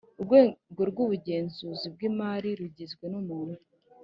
Urwego rw Ubugenzuzi bw Imari rugizwe n umuntu